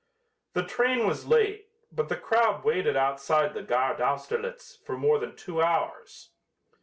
The train was late, but the crowd waited outside the Gare d'Austerlitz for more than two hours.